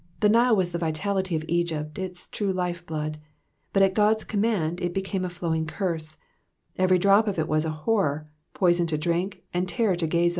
The Nile was the vitality of Egypt, its true life blood, but at God's command it became a flov/ing curse ; every drop of it was a horror, poison to drink, and terror to gaze on.